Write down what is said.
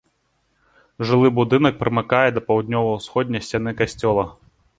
Жылы будынак прымыкае да паўднёва-ўсходняй сцяны касцёла.